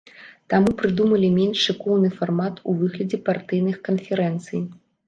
Таму прыдумалі менш шыкоўны фармат у выглядзе партыйных канферэнцый.